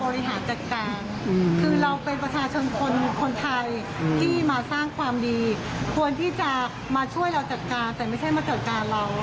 มาขออนุญาตเทศบาลให้ถูกต้องให้เขาไปช่วยเราบริหารจัดการ